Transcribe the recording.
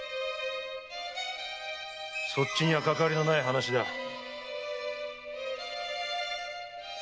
そっちにはかかわりのない話だ。